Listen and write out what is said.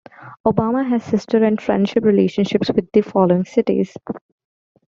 Obama has sister and friendship relationships with the following cities.